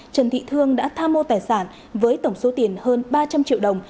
trần thị thương đã tham mô tài sản với tổng số tiền hơn ba trăm linh triệu đồng